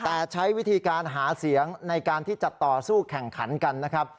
แต่ใช้วิธีการหาเสียงในการที่จะต่อสู้แข่งขันกันนะครับ